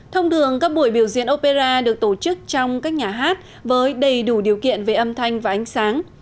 thông đường các buổi biểu diễn opera được tổ chức trong các nhà hát với đầy đủ điều kiện về âm thanh và ánh sáng